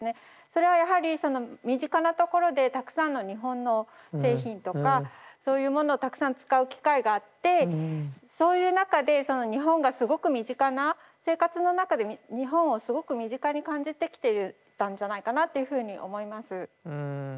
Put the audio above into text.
それはやはり身近なところでたくさんの日本の製品とかそういうものをたくさん使う機会があってそういう中でその日本がすごく身近な生活の中で日本をすごく身近に感じてきてたんじゃないかなっていうふうに思います。